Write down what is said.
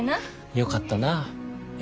よかったなええ